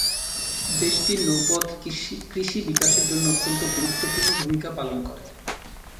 দেশটির নৌপথ কৃষি বিকাশের জন্য অত্যন্ত গুরুত্বপূর্ণ ভূমিকা পালন করে।